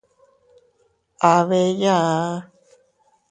Aa bee yaa.